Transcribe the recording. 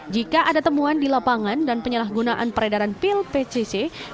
jika ada temuan di lapangan dan penyalahgunaan peredaran pil pcc